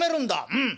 うん。